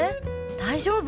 大丈夫？